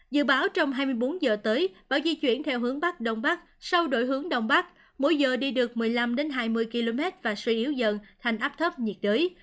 dự báo trong hai mươi bốn giờ tới bão di chuyển theo hướng bắc đông bắc sau đổi hướng đông bắc mỗi giờ đi được một mươi năm hai mươi km và suy yếu dần thành áp thấp nhiệt đới